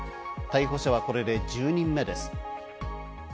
逮捕者はこれで１０人目です。